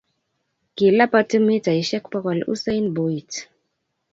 Kilapati mitaishek bokol usain Boilt